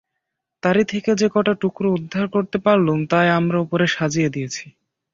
তারই থেকে যে-কটা টুকরো উদ্ধার করতে পারলুম তাই আমরা উপরে সাজিয়ে দিয়েছি।